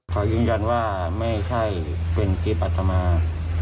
ขอยืนยันว่าไม่ใช่เป็นที่ปรัฐมา